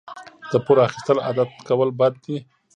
د پور اخیستل عادت کول بد دي.